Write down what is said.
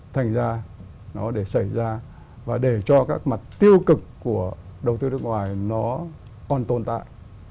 thành ra nó để xảy ra và để cho các mặt tiêu cực của đầu tư nước ngoài nó còn tồn tại